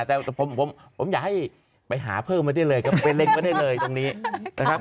แต่ผมอยากให้ไปหาเพิ่มมาได้เลยครับไปเล็งไว้ได้เลยตรงนี้นะครับ